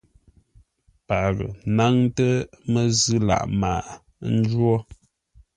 Paghʼə náŋtə́ məzʉ̂ lâʼ maghʼə njwó: